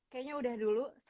kayaknya udah dulu